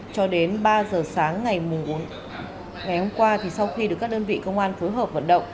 cho đến ba giờ sáng ngày hôm qua sau khi được các đơn vị công an phối hợp vận động